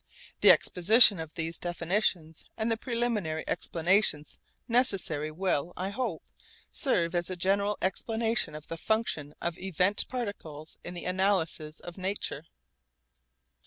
The exposition of these definitions and the preliminary explanations necessary will, I hope, serve as a general explanation of the function of event particles in the analysis of nature.